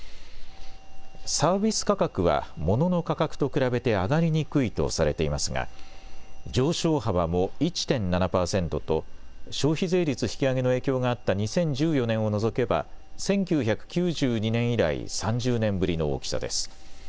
サービス価格はモノの価格と比べて上がりにくいとされていますが上昇幅も１．７％と消費税率引き上げの影響があった２０１４年を除けば１９９２年以来３０年ぶりの大きさです。